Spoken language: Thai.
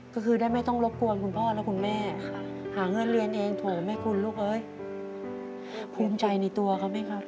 ก็คือได้ไม่ต้องรบกวนคุณพ่อและคุณแม่หาเงินเรียนเองเถอะแม่คุณลูกเอ้ยภูมิใจในตัวเขาไหมครับ